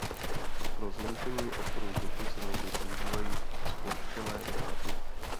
Pro zmenšení odporu vzduchu se někdy používají zploštělé dráty.